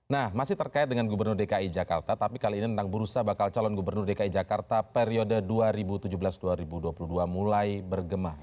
nah masih terkait dengan gubernur dki jakarta tapi kali ini tentang bursa bakal calon gubernur dki jakarta periode dua ribu tujuh belas dua ribu dua puluh dua mulai bergema